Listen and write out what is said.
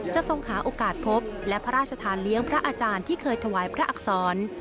ทรงหาโอกาสพบและพระราชทานเลี้ยงพระอาจารย์ที่เคยถวายพระอักษร